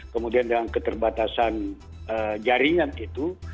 kemudian dengan keterbatasan jaringan itu